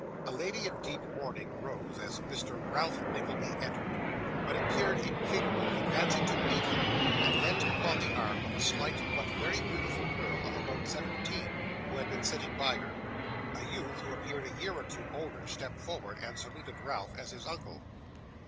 A lady in deep mourning rose as Mr. Ralph Nickleby entered, but appeared incapable of advancing to meet him, and leant upon the arm of a slight but very beautiful girl of about seventeen, who had been sitting by her. A youth, who appeared a year or two older, stepped forward and saluted Ralph as his uncle.